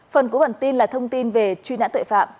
phần của bản tin là thông tin về truy nãn tội phạm